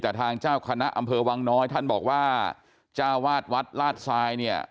แต่ทางเจ้าคณะอำเภอวังน้อยท่านบอกว่าจ้าวาดวัดลาดทรายเนี่ย